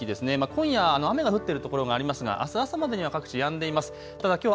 今夜の雨が降っている所がありますがあす朝までには各地やんでいます。